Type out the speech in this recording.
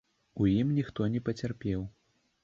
У ім ніхто не пацярпеў.